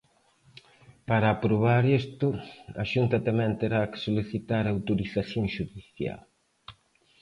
Para aprobar isto, a Xunta tamén terá que solicitar autorización xudicial.